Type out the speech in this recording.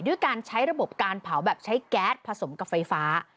ด้วยการใช้ระบบการเผาแบบใช้แก๊สผสมกับไฟฟ้า